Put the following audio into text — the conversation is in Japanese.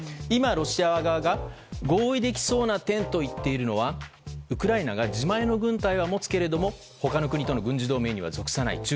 今、ロシア側が合意できそうな点と言っているのはウクライナが自前の軍隊は持つけれども他の国との軍事同盟には属さない。